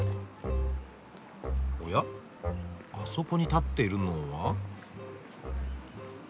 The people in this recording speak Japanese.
おやあそこに立っているのは？